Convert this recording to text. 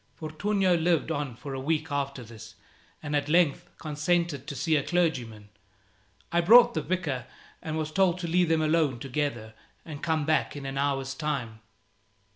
Fortunio lived on for a week after this, and at length consented to see a clergyman. I brought the vicar, and was told to leave them alone together and come back in an hour's time.